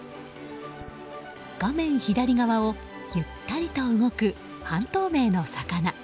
画面左側をゆったりと動く半透明の魚。